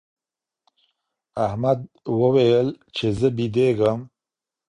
احمد وویل چي زه بېدېږم.